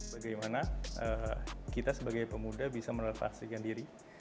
bagaimana kita sebagai pemuda bisa merefleksikan diri